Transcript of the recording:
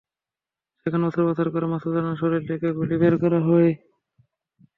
সেখানে অস্ত্রোপচার করে মাসুদ রানার শরীর থেকে গুলি বের করা হয়।